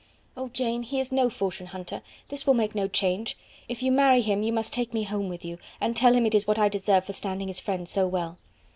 "Oh, Jane, he is no fortune hunter; this will make no change. If you marry him you must take me home with you, and tell him it is what I deserve for standing his friend so well."